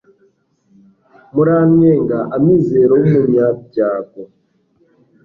murannyega amizero y'umunyabyago